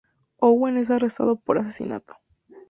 Owen es arrestado por asesinato.